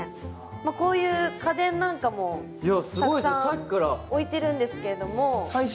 こういう家電なんかもたくさん置いてるんですけれども。